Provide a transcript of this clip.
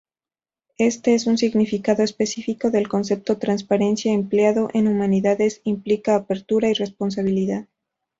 Este es un significado específico del concepto transparencia empleado en Humanidades.Implica apertura y responsabilidad.